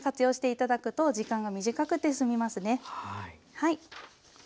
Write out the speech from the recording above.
はい。